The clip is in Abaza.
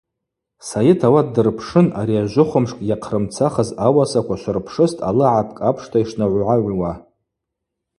Сайыт ауат дырпшын: – Ари ажвыхвымшкӏ йахърымцахыз ауасаква швырпшыстӏ алагӏапкӏ апшта йшнагӏвгӏагӏвуа.